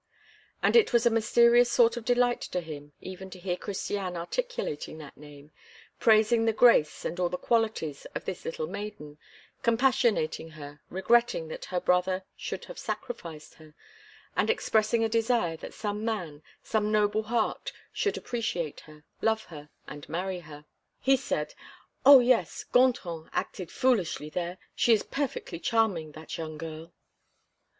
And it was a mysterious source of delight to him even to hear Christiane articulating that name, praising the grace and all the qualities of this little maiden, compassionating her, regretting that her brother should have sacrificed her, and expressing a desire that some man, some noble heart, should appreciate her, love her, and marry her. He said: "Oh! yes, Gontran acted foolishly there. She is perfectly charming, that young girl."